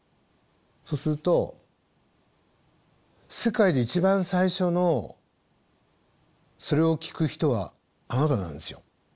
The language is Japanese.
そうすると世界で一番最初のそれを聴く人はあなたなんですよ。